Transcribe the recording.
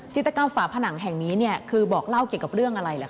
จิตกรรมฝาผนังแห่งนี้เนี่ยคือบอกเล่าเกี่ยวกับเรื่องอะไรล่ะค